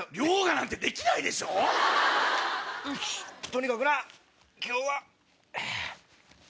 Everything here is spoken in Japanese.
とにかくな今日は。